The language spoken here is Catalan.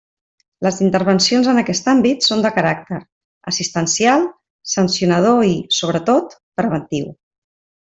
Les intervencions en aquest àmbit són de caràcter: assistencial, sancionador i, sobretot, preventiu.